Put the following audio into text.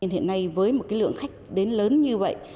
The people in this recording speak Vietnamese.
hiện nay với một lượng khách đến lớn như vậy